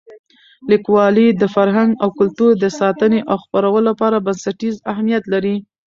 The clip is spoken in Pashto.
لیکوالی د فرهنګ او کلتور د ساتنې او خپرولو لپاره بنسټیز اهمیت لري.